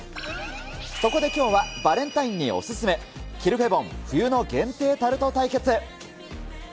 そこできょうは、バレンタインにお勧め、キルフェボン冬の限定タルト対決。